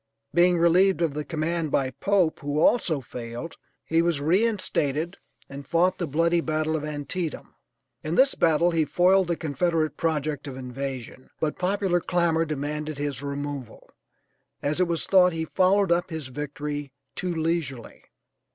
Being relieved of the command by Pope, who also failed, he was re instated and fought the bloody battle of Antietam. In this battle he foiled the Confederate project of invasion, but popular clamor demanded his removal, as it was thought he followed up his victory too leisurely.